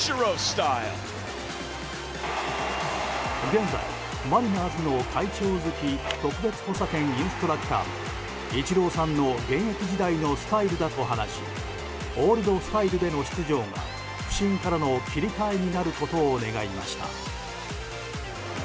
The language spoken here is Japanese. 現在、マリナーズの会長付特別補佐兼インストラクターのイチローさんの現役時代のスタイルだとしオールドスタイルでの出場が不振からの切り替えになることを願いました。